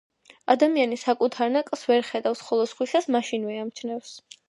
ადამიანი საკუთარ ნაკლს ვერ ხედავს, ხოლო სხვისას მაშინვე ამჩნევს